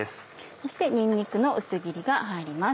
そしてにんにくの薄切りが入ります。